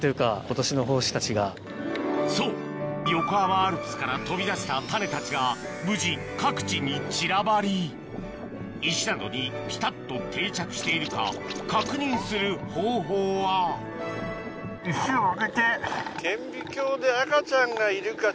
そう横浜アルプスから飛び出したタネたちが無事各地に散らばり石などにピタっと定着しているか確認する方法はＯＫです。